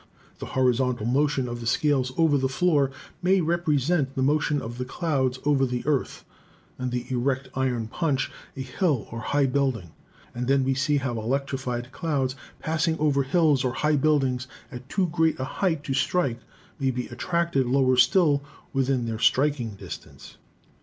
The horizon tal motion of the scales over the floor may represent the motion of the clouds over the earth and the erect iron punch a hill or high building, and then we see how elec trified clouds passing over hills or high buildings at too great a height to strike may be attracted lower till within their striking distance.